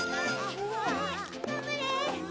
頑張れ！